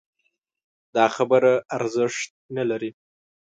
دا خبره ارزښت نه لري